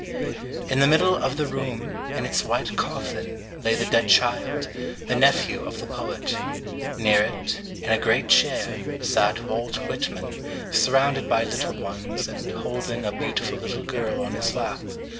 ["In the middle of the room, in its white coffin, lay the dead child, the nephew of the poet. Near it, in a great chair, sat Walt Whitman, surrounded by little ones, and holding a beautiful little girl on his lap.